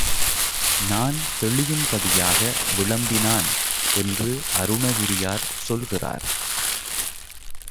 நான் தெளியும்படியாக விளம்பினான் என்று அருணகிரியார் சொல்கிறார்.